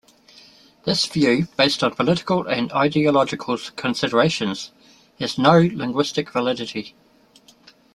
This view, based on political and ideological considerations, has no linguistic validity.